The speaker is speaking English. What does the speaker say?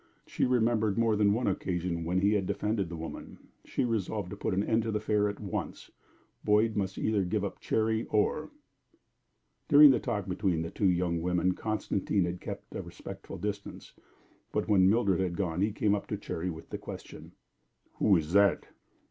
She remembered more than one occasion when he had defended the woman. She resolved to put an end to the affair at once; Boyd must either give up Cherry or During the talk between the two young women Constantine had kept at a respectful distance, but when Mildred had gone he came up to Cherry, with the question: "Who is that?"